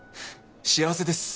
幸せです